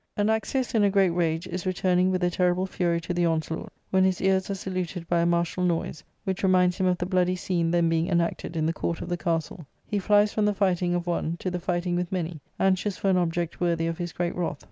] Anaxius, in a great rage, is returning with a terrible fury to the onslaught, when his ears are saluted by a martial noise which reminds him of the bloody scene then being enacted in the court of the castle. He flies from the fighting of one to the fighting with many, anxious for an object worthy of his great wrath.